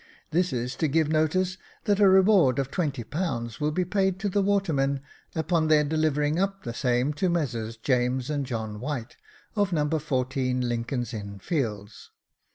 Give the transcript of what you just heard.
This is to give notice, that a reward of twenty pounds will be paid to the watermen, upon their delivering up the same to Messrs James and John White, of No. 14, Lincoln's Inn Fields.